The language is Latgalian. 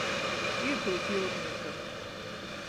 Īpyut jiurnīkam!